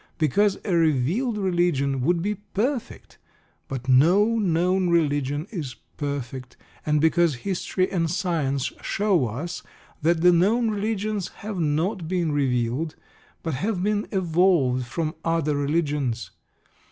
Because a revealed religion would be perfect, but no known religion is perfect; and because history and science show us that the known religions have not been revealed, but have been evolved from other religions.